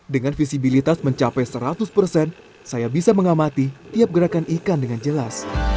dengan visibilitas mencapai seratus persen saya bisa mengamati tiap gerakan ikan dengan jelas